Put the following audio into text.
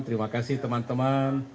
terima kasih teman teman